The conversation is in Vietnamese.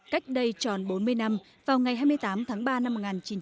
cách đây tròn bốn mươi năm vào ngày hai mươi tám tháng ba năm một nghìn chín trăm bảy mươi